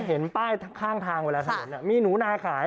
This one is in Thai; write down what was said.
เห็นป้ายข้างทางเวลาถนนมีหนูนาขาย